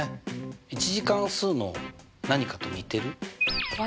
１次関数の何かと似てる？